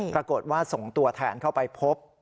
ปรากฏว่าส่งตัวแทนเข้าไปพบ